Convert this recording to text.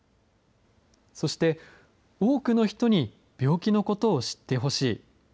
そして、多くの人に病気のことを知ってほしい。